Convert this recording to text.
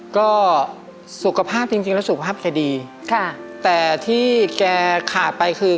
ก็สุขภาพจริงแล้วสุขภาพก็ดีแต่ที่แกขาดไปคือ